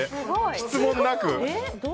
質問なく。